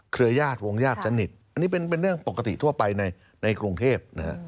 เครือญาติวงญาติสนิทอันนี้เป็นเรื่องปกติทั่วไปในกรุงเทพ